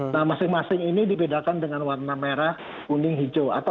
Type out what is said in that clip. nah masing masing ini dibedakan dengan warna merah kuning hijau